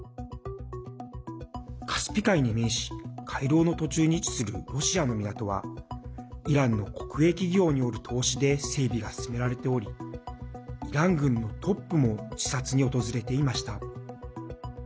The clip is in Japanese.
カスピ海に面し回廊の途中に位置するロシアの港はイランの国営企業による投資で整備が進められておりイラン軍のトップも視察に訪れていました。